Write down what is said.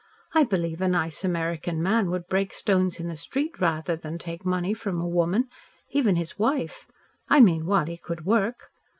I believe a nice American man would break stones in the street rather than take money from a woman even his wife. I mean while he could work.